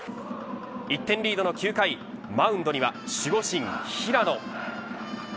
１点リードの９回マウンドには守護神、平野。